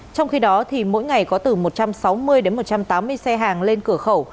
trong khi đó mỗi ngày có từ một trăm sáu mươi đến một trăm tám mươi xe hàng lên cửa khẩu